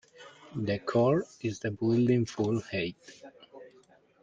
The core is the building's full height.